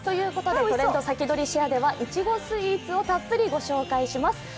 「トレンドさきどり＃シェア」ではいちごスイーツをたっぷりご紹介します。